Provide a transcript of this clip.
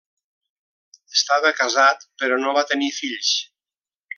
Estava casat però no va tenir fills.